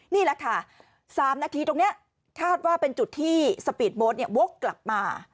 นี่แหละค่ะ๓นาทีตรงนี้คาดว่าเป็นจุดที่สปีดโบ๊ทวกกลับมา